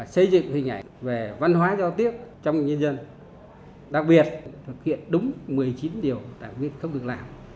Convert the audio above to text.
xây dựng hình ảnh về văn hóa giao tiếp trong nhân dân đặc biệt thực hiện đúng một mươi chín điều đảng viên không được làm